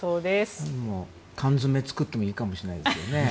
缶詰を作ってもいいかもしれないですよね。